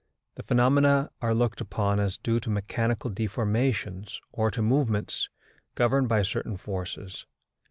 The phenomena are looked upon as due to mechanical deformations or to movements governed by certain forces.